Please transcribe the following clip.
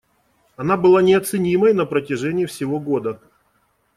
Она была неоценимой на протяжении всего года.